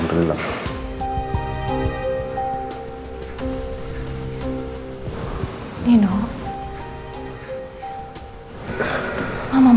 saya udah ngentang